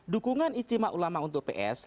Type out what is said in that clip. dukungan ijtima ulama untuk ps